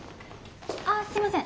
あすいません。